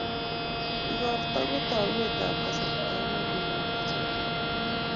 ikorto ko taunet ab kasarta nelel Nebo chamyet